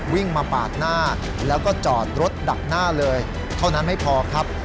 วิ่งมาปาดหน้าแล้วก็จอดรถดักหน้าเลยเท่านั้นไม่พอครับ